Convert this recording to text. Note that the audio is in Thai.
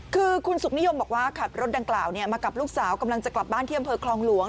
คือคุณสุขนิยมบอกว่าขับรถดังกล่าวมากับลูกสาวกำลังจะกลับบ้านที่อำเภอคลองหลวง